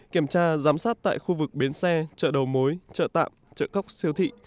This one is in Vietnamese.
kiểm tra giám sát tại khu vực bến xe chợ đầu mối chợ tạm chợ cóc siêu thị